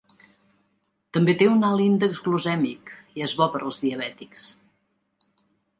També té un alt índex glucèmic i és bo per als diabètics.